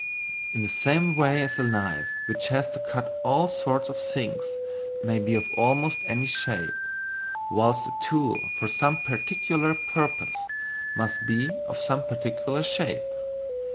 In the same way that a knife which has to cut all sorts of things may be of almost any shape; whilst a tool for some particular purpose must be of some particular shape.